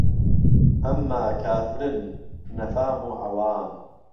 ئەمما کافرن نهفام و عهوام